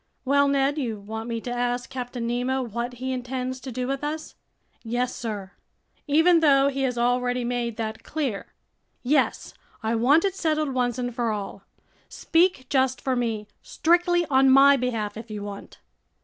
"Well, Ned, you want me to ask Captain Nemo what he intends to do with us?" "Yes, sir." "Even though he has already made that clear?" "Yes. I want it settled once and for all. Speak just for me, strictly on my behalf, if you want."